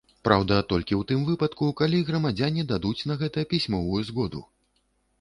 Праўда, толькі ў тым выпадку, калі грамадзяне дадуць на гэта пісьмовую згоду.